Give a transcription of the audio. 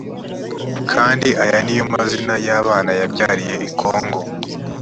kandi aya ni yo mazina y abana yabyariye i kongo